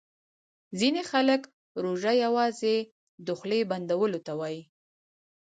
ځیني خلګ روژه یوازي د خولې بندولو ته وايي